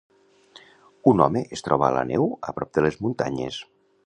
Un home es troba a la neu a prop de les muntanyes.